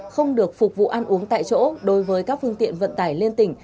không được phục vụ ăn uống tại chỗ đối với các phương tiện vận tải liên tỉnh